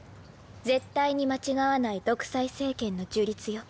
絶対に間違わない独裁政権の樹立よ。